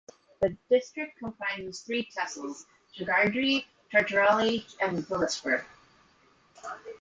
The district comprises three tehsils: Jagadhri, Chhachhrauli and Bilaspur.